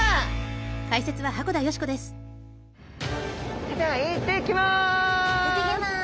それでは行ってきます！